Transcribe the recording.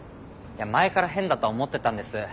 前から変だとは思ってたんです。